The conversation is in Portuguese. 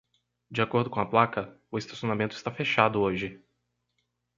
De acordo com a placa, o estacionamento está fechado hoje